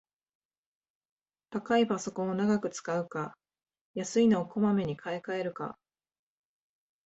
高いパソコンを長く使うか、安いのをこまめに買いかえるか